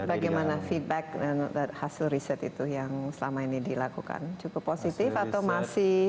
bagaimana feedback dan hasil riset itu yang selama ini dilakukan cukup positif atau masih